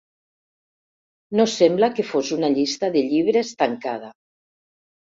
No sembla que fos una llista de llibres tancada.